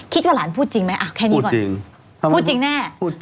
คิดว่าหลานพูดจริงไหมอ่ะแค่นี้ก่อนพูดจริงพูดจริงแน่พูดจริง